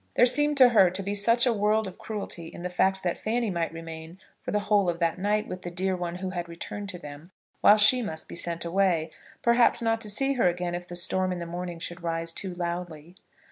There seemed to her to be such a world of cruelty in the fact that Fanny might remain for the whole of that night with the dear one who had returned to them, while she must be sent away, perhaps not to see her again if the storm in the morning should rise too loudly!